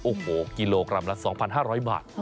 โอ้โหกิโลกรัมละ๒๕๐๐บาท